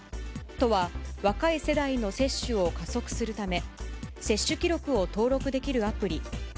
都は、若い世代の接種を加速するため、接種記録を登録できるアプリ、ＴＯＫＹＯ